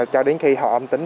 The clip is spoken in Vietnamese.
cho đến khi họ âm tính